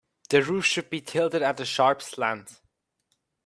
The roof should be tilted at a sharp slant.